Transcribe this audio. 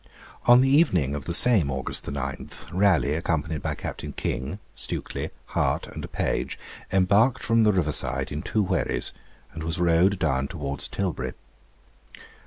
On the evening of the same August 9, Raleigh, accompanied by Captain King, Stukely, Hart, and a page, embarked from the river side in two wherries, and was rowed down towards Tilbury.